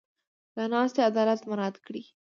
د ناستې عدالت مراعت کړي.